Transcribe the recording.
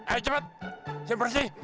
ayo cepat siap bersih